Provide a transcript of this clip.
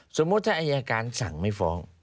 สมมุติถ้าอายการสั่งไม่ฟ้อง